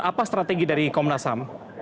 apa strategi dari komnas ham